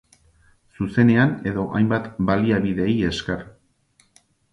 Zuzenean edo hainbat baliabideei esker.